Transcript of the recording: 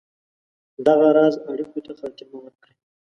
دغه راز اړېکو ته خاتمه ورکړي.